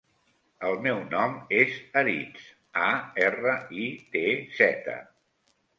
El meu nom és Aritz: a, erra, i, te, zeta.